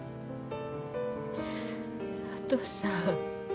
佐都さん。